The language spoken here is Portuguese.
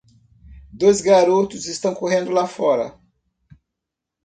Dois garotos estão correndo lá fora.